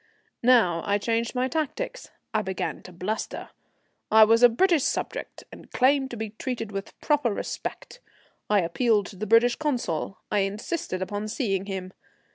Now I changed my tactics. I began to bluster. I was a British subject and claimed to be treated with proper respect. I appealed to the British Consul; I insisted upon seeing him.